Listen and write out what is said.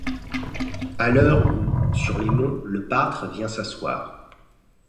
À l’heure où sur les monts le pâtre vient s’asseoir.